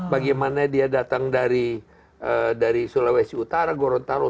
bagaimana dia datang dari sulawesi utara gorontalo